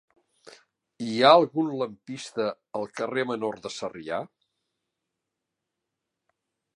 Hi ha algun lampista al carrer Menor de Sarrià?